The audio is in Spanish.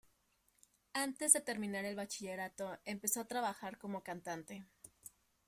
Antes de terminar el bachillerato, empezó a trabajar como cantante.